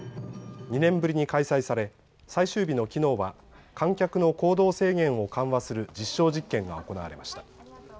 ２年ぶりに開催され最終日のきのうは、観客の行動制限を緩和する実証実験が行われました。